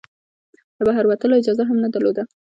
د بهر وتلو اجازه هم نه درلوده.